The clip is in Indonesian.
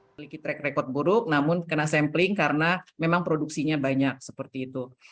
memiliki track record buruk namun kena sampling karena memang produksinya banyak seperti itu